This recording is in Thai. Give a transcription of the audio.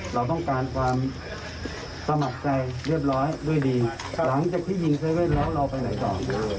เราต้องการความสมัครใจเรียบร้อยด้วยดีหลังจากที่ยิง๗๑๑แล้วเราไปไหนต่อ